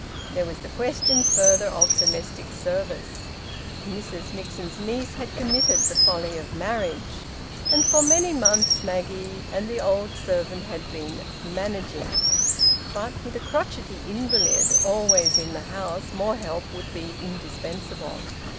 There was the question, further, of domestic service. Mrs Nixon's niece had committed the folly of marriage, and for many months Maggie and the old servant had been `managing;' but with a crotchety invalid always in the house, more help would be indispensable.